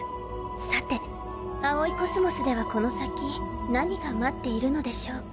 さて葵宇宙ではこの先何が待っているのでしょうか。